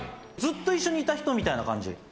ずっと一緒にいた人みたいな感じ。